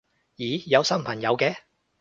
咦有新朋友嘅